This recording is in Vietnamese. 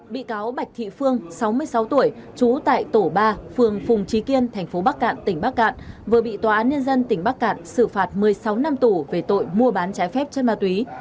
bị cáo bạch thị phương sáu mươi sáu tuổi trú tại tổ ba phường phùng trí kiên thành phố bắc cạn tỉnh bắc cạn vừa bị tòa án nhân dân tỉnh bắc cạn xử phạt một mươi sáu năm tù về tội mua bán trái phép chất ma túy